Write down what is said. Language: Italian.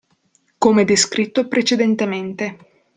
Come descritto precedentemente.